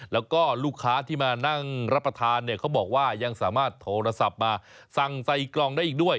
แล้วก็ลูกค้าที่มานั่งรับประทานเนี่ยเขาบอกว่ายังสามารถโทรศัพท์มาสั่งใส่กล่องได้อีกด้วย